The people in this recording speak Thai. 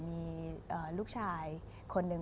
มีลูกชายคนหนึ่ง